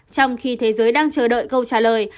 trong khi thế giới đang chờ đợi câu trả lời